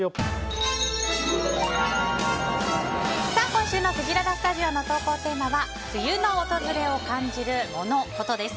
今週のせきららスタジオの投稿テーマは冬の訪れを感じるモノ・コトです。